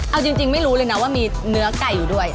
เอาจริงไม่รู้เลยนะว่ามีเนื้อไก่อยู่ด้วย